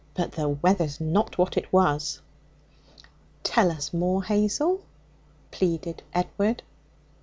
But the weather's not what it was!' 'Tell us more, Hazel!' pleaded Edward.